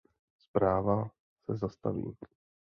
Zpráva se zastaví.